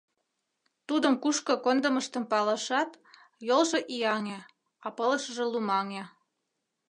Тудым кушко кондымыштым палышат, йолжо ияҥе, а пылышыже лумаҥе.